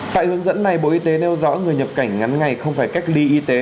tại hướng dẫn này bộ y tế nêu rõ người nhập cảnh ngắn ngày không phải cách ly y tế